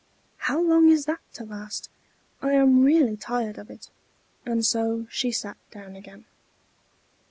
How long is that to last? I am really tired of it." And so she sat down again.